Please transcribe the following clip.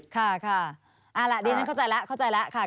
ค่ะเอาล่ะเดี๋ยวนั้นเข้าใจแล้ว